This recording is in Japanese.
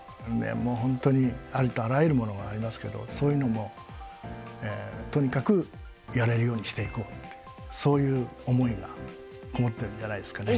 本当にありとあらゆるものがありますけどそういうのもとにかくやれるようにしていこうってそういう思いが籠もってるんじゃないですかね。